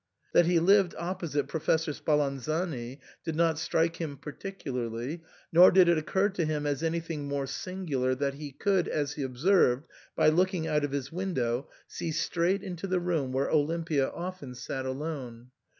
That he lived opposite Professor Spalanzani did not strike him particularly, nor did it occur to him as anything more singular that he could, as he observed, by looking out of his window, see straight into the room where Olimpia often sat alone.